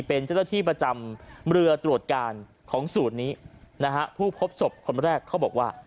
เป็นเจ้าหน้าที่ประจำเรือตรวจการของสูตรนี้นะฮะผู้พบศพคนแรกเขาบอกว่า